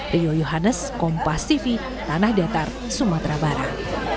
rio yohannes kompas tv tanah datar sumatera barat